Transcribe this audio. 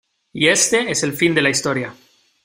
y este es el fin de la historia.